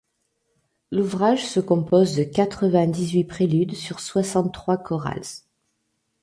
L'ouvrage se compose de quatre-vingt-dix-huit préludes sur soixante-trois chorals.